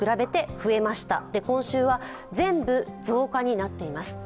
今週は全部増加になっています。